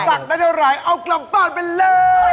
ตัดแล้วเจ้าหลายเอากลับบ้านไปเลย